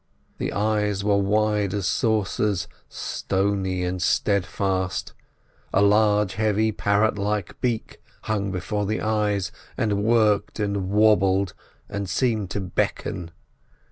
The eyes were wide as saucers, stony and steadfast; a large, heavy, parrot like beak hung before the eyes, and worked and wobbled, and seemed to beckon.